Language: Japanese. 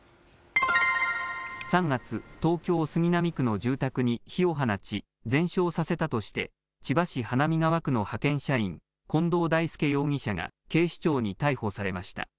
３月、東京・杉並区の住宅に火を放ち、全焼させたとして、千葉市花見川区の派遣社員、近藤大輔容疑者が警視庁に逮捕されました。